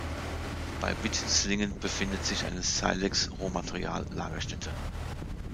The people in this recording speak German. Bei Wittislingen befindet sich eine Silex-Rohmaterial-Lagerstätte.